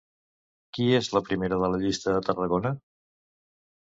Qui és la primera de la llista a Tarragona?